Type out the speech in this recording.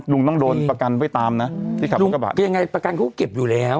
ลุงต้องโดนประกันไว้ตามนะที่ขับรถกระบะคือยังไงประกันเขาก็เก็บอยู่แล้ว